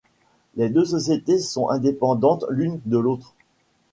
Les deux sociétés sont indépendantes l'une de l'autre.